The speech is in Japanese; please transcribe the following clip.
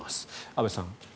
安部さん。